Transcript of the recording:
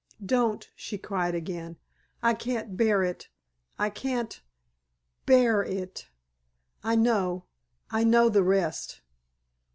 "Don't," she cried again, "I can't bear it—I can't bear it! I know—I know the rest!"